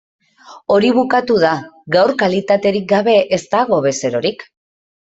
Hori bukatu da, gaur kalitaterik gabe ez dago bezerorik.